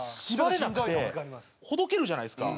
ほどけるじゃないですか。